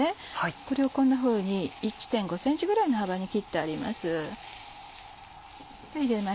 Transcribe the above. これをこんなふうに１．５ｃｍぐらいの幅に切ってあります。